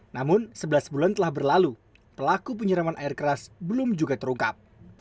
namun sebelas bulan telah berlalu pelaku penyiraman air keras belum juga terungkap